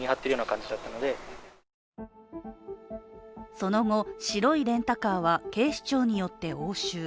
その後、白いレンタカーは警視庁によって押収。